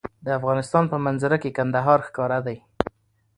د افغانستان په منظره کې کندهار ښکاره دی.